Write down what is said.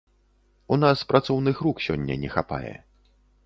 У нас працоўных рук сёння не хапае.